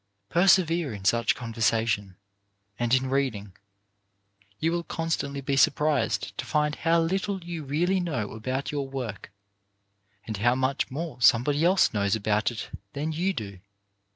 Persevere in such conversation, and in reading. You will constantly be surprised to find how little you really know about your work, and how much more somebody else knows about it than you do.